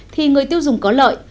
thì người tiêu dùng có lợi